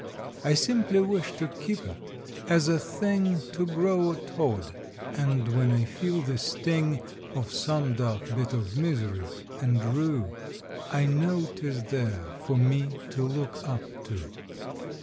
I simply wish to keep it as a thing To grow toward, and, when I feel the sting Of some dark bit of misery and rue, To know tis there for me to look up to.